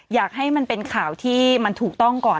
อยากให้มันเป็นข่าวที่มันถูกต้องก่อน